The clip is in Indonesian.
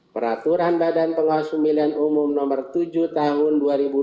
peraturan badan pengawas pemilihan umum no tujuh tahun dua ribu dua puluh